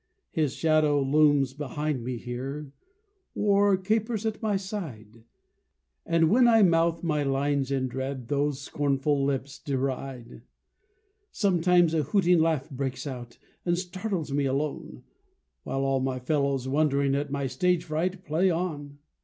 His shadow looms behind me here, Or capers at my side; And when I mouth my lines in dread, Those scornful lips deride. Sometimes a hooting laugh breaks out, And startles me alone; While all my fellows, wondering At my stage fright, play on.